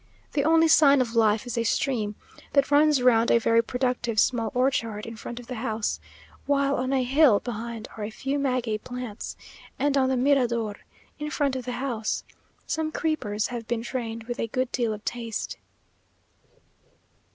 The only sign of life is a stream that runs round a very productive small orchard in front of the house, while on a hill behind are a few maguey plants, and on the mirador, in front of the house, some creepers have been trained with a good deal of taste.